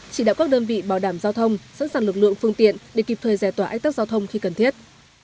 chỉ đạo các đơn vị bảo đảm giao thông sẵn sàng lực lượng phương tiện để kịp thời giải tỏa ách tắc giao thông khi cần thiết